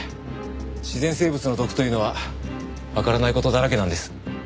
自然生物の毒というのはわからない事だらけなんです。